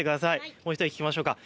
もう１人聞きましょう。